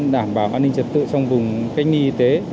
đảm bảo an ninh trật tự trong vùng canh nghi y tế